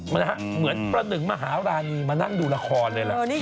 คือเหมือนพระหนึ่งมหาวราณีมานั่งดูราคารเลยแหละ